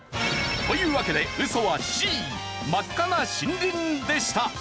というわけでウソはＣ真っ赤な森林でした。